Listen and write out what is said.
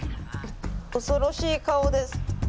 恐ろしい顔です。